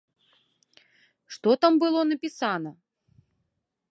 Што там было напісана?